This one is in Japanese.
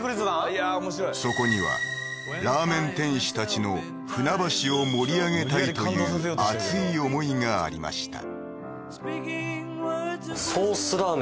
いやー面白いそこにはラーメン店主たちの船橋を盛り上げたいという熱い想いがありました